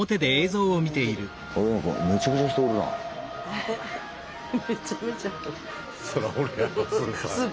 めちゃめちゃって。